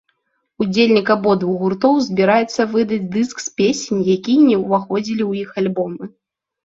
Удзельнік абодвух гуртоў збіраецца выдаць дыск з песень, якія не ўваходзілі ў іх альбомы.